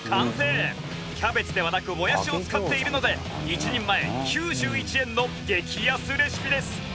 キャベツではなくもやしを使っているので１人前９１円の激安レシピです。